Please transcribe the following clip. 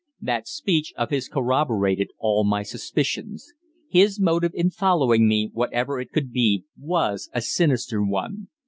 That speech of his corroborated all my suspicions. His motive in following me, whatever it could be, was a sinister one.